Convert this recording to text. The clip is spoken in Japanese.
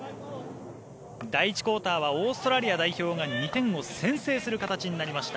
第１クオーターはオーストラリア代表が２点を先制する形になりました。